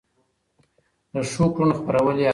د ښو کړنو خپرول يې هڅول.